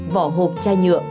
vỏ hộp chai nhựa